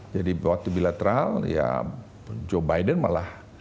jadi waktu bilateral ya joe biden malah